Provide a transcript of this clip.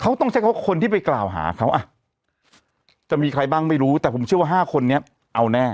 เขาต้องใช้เขาคนที่ไปกล่าวหาเขาอ่ะจะมีใครบ้างไม่รู้แต่ผมเชื่อว่าห้าคนนี้เอาแน่